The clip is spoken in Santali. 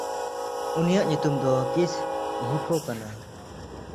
ᱩᱱᱤᱭᱟᱜ ᱧᱩᱛᱩᱢ ᱫᱚ ᱠᱤᱥᱦᱤᱠᱚ ᱠᱟᱱᱟ᱾